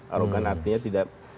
arogan artinya tidak